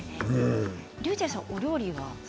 りゅうちぇるさん、お料理は？